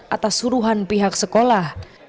atas suruhan pihak sekolah